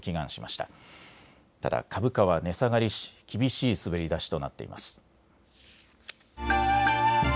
ただ株価は値下がりし厳しい滑り出しとなっています。